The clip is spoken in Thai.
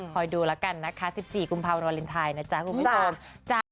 ดูแล้วกันนะคะ๑๔กุมภาพวาเลนไทยนะจ๊ะคุณผู้ชม